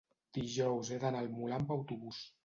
dijous he d'anar al Molar amb autobús.